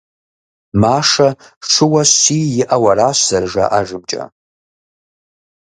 Машэ шыуэ щий иӀауэ аращ, зэражаӀэжымкӀэ.